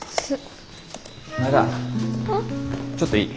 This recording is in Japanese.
前田ちょっといい？